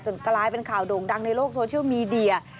กลายเป็นข่าวโด่งดังในโลกโซเชียลมีเดีย